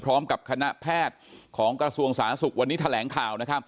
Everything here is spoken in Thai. พร้อมกับคณะแพทย์ของกระทรวงสาธารณสุขวันนี้แถลงข่าวนะครับ